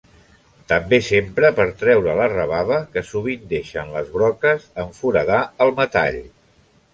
També s'empra per treure la rebava que sovint deixen les broques en foradar el metall.